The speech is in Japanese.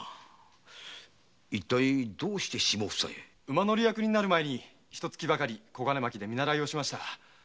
馬乗り役になる前にひと月ばかり小金牧で見習いをしました。